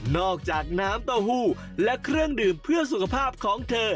น้ำเต้าหู้และเครื่องดื่มเพื่อสุขภาพของเธอ